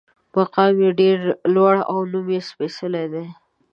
مقام یې ډېر لوړ او نوم یې سپېڅلی دی.